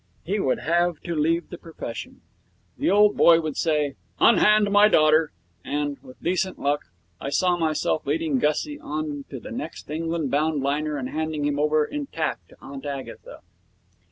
He would have to leave the profession. The old boy would say, 'Unhand my daughter'. And, with decent luck, I saw myself leading Gussie on to the next England bound liner and handing him over intact to Aunt Agatha.